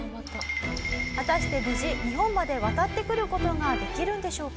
果たして無事日本まで渡ってくる事ができるんでしょうか？